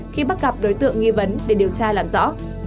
khi bắt gặp đối tượng nghi vấn để điều tra làm rõ